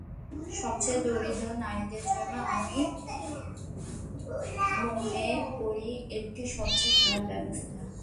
সবচেয়ে দরিদ্র নারীদের জন্য আমি মনে করি এটি সবচেয়ে খারাপ ব্যবস্থা।